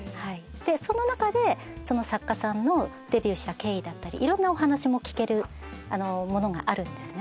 でその中でその作家さんのデビューした経緯だったりいろんなお話も聞けるものがあるんですね。